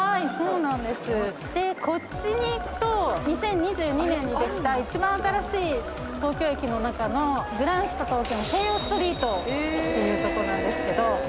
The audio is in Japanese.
でこっちに行くと２０２２年にできた一番新しい東京駅の中のグランスタ東京の京葉ストリートというとこなんですけど。